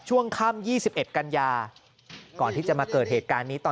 ช่วงคั่ม๒๑กัลโย